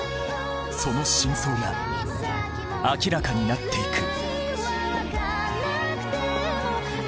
その真相が明らかになっていく！